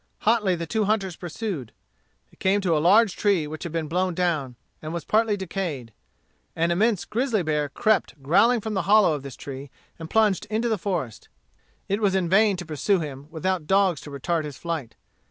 Hotly the two hunters pursued. They came to a large tree which had been blown down, and was partly decayed. An immense grizzly bear crept growling from the hollow of this tree, and plunged into the forest. It was in vain to pursue him, without dogs to retard his flight.